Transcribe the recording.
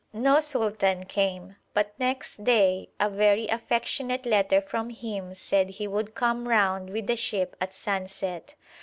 No sultan came, but next day a very affectionate letter from him said he would come round with the ship at sunset.